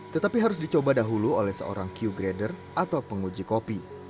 tetapi harus dicoba dahulu oleh seorang q grader atau penguji kopi